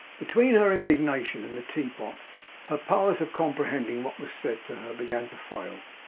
Between her indignation and the teapot, her powers of comprehending what was said to her began to fail.